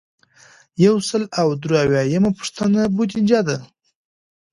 یو سل او درې اویایمه پوښتنه بودیجه ده.